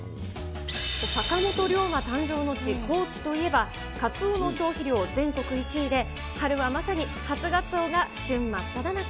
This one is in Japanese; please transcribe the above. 坂本龍馬誕生の高知といえば、カツオの消費量全国１位で、春はまさに初ガツオが旬真っただ中。